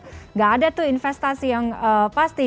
tidak ada tuh investasi yang pasti